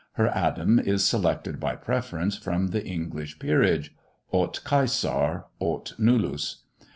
Her Adam is selected by preference from the English Peerage. Aut Cceaar, aut rmUua.